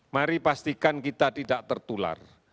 mari pastikan kita tidak tertular